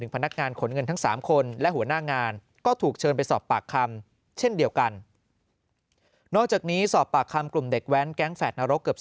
๒๓พฤศจิกายนนะครับ